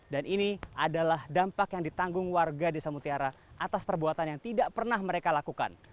dan ini adalah dampak yang ditanggung warga desa mutiara atas perbuatan yang tidak pernah mereka lakukan